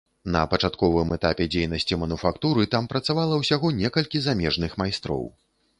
На пачатковым этапе дзейнасці мануфактуры там працавала ўсяго некалькі замежных майстроў.